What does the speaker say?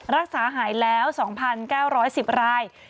รักษาหายแล้ว๒๙๑๐ราย